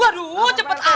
waduh cepet amat eh